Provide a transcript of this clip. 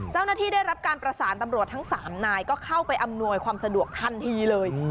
ได้รับการประสานตำรวจทั้ง๓นายก็เข้าไปอำนวยความสะดวกทันทีเลย